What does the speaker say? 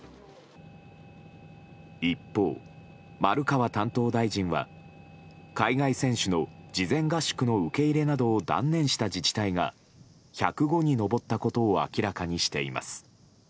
一方、丸川担当大臣は海外選手の事前合宿の受け入れなどを断念した自治体が１０５に上ったことを明らかにしています。